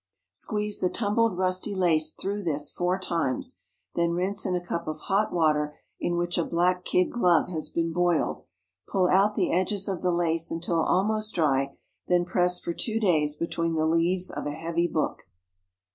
Squeeze the tumbled rusty lace through this four times, then rinse in a cup of hot water in which a black kid glove has been boiled. Pull out the edges of the lace until almost dry; then press for two days between the leaves of a heavy book.